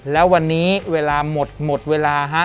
แล้ววันนี้เวลาหมดหมดเวลาฮะ